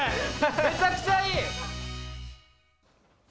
めちゃくちゃいい。